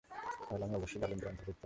তাহলে আমি অবশ্যই জালিমদের অন্তর্ভুক্ত হব।